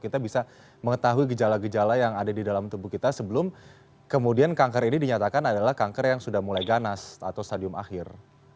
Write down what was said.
kita bisa mengetahui gejala gejala yang ada di dalam tubuh kita sebelum kemudian kanker ini dinyatakan adalah kanker yang sudah mulai ganas atau stadium akhir